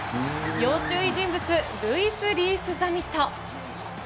要注意人物、ルイス・リース・ザミット。